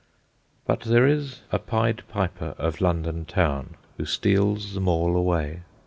But there is a Pied Piper of London Town who steals them all away.